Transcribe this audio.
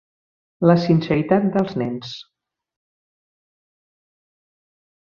La sinceritat dels nens.